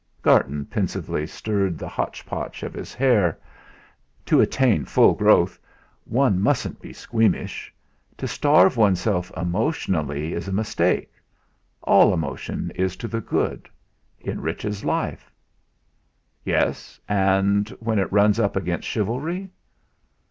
Garton pensively stirred the hotch potch of his hair. "To attain full growth, one mustn't be squeamish. To starve oneself emotionally's a mistake. All emotion is to the good enriches life." "Yes, and when it runs up against chivalry?"